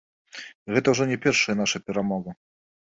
Гэта ўжо не першая наша перамога.